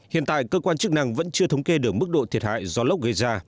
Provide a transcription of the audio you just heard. hiện tại cơ quan chức năng vẫn chưa thống kê được mức độ thiệt hại do lốc gây ra